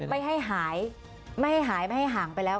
ไม่ให้หายไม่ให้หายไม่ให้ห่างไปแล้ว